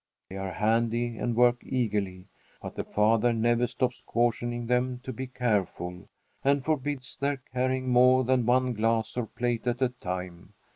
They are handy and work eagerly, but the father never stops cautioning them to be careful, and forbids their carrying more than one glass or plate at a time.